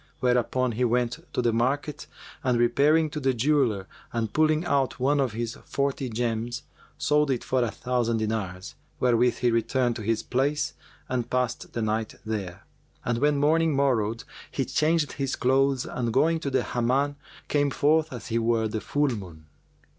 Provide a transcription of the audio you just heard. Whereupon he went to the market and repairing to a jeweller and pulling out one of his forty gems sold it for a thousand dinars, wherewith he returned to his place and passed the night there; and when morning morrowed he changed his clothes and going to the Hamman came forth as he were the full moon.